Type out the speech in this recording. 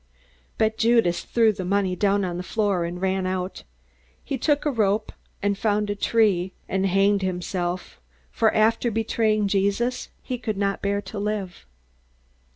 But Judas threw the money down on the floor and ran out. He took a rope, and found a tree, and hanged himself, for, after betraying Jesus, he could not bear to live.